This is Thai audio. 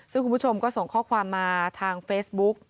ซึ่งคุณผู้ชมก็ส่งข้อความมาทางเฟซบุ๊ก